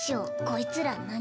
こいつら何？